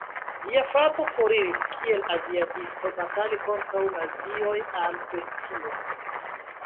Lia frato foriris kiel aviadisto batali kontraŭ nazioj al Britio.